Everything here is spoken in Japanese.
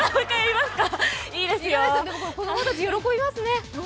子供たち喜びますね。